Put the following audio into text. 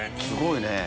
すごいね！